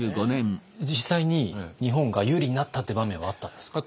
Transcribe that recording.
実際に日本が有利になったって場面はあったんですか？